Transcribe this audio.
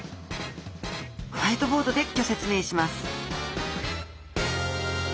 ホワイトボードでギョ説明します！